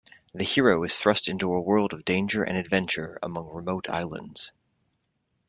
The hero is thrust into a world of danger and adventure among remote islands.